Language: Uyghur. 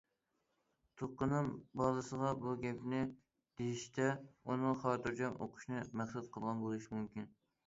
تۇغقىنىم بالىسىغا بۇ گەپنى دېيىشتە ئۇنىڭ خاتىرجەم ئوقۇشىنى مەقسەت قىلغان بولۇشى مۇمكىن.